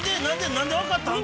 何で分かったん？